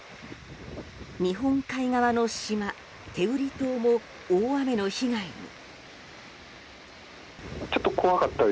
日本海側の島、天売島も大雨の被害に。